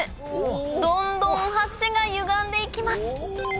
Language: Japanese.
どんどん橋がゆがんで行きます